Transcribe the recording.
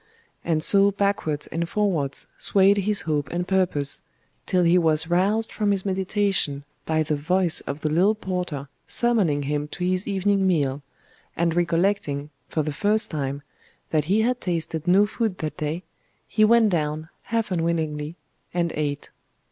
And so backwards and forwards swayed his hope and purpose, till he was roused from his meditation by the voice of the little porter summoning him to his evening meal; and recollecting, for the first time, that he had tasted no food that day, he went down, half unwillingly, and ate.